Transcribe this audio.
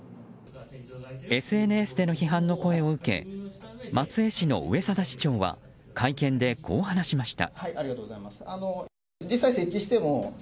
ＳＮＳでの批判の声を受け松江市の上定市長は会見でこう話しました。